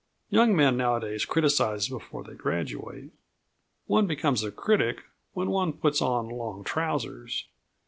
Young men nowadays criticise before they graduate. One becomes a critic when one puts on long trousers.